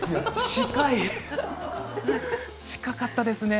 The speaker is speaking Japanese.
近かったですね。